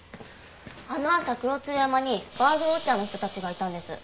あの朝黒鶴山にバードウォッチャーの人たちがいたんです。